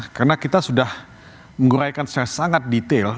karena kita sudah mengguraikan secara sangat detail